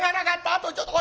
あとちょっと。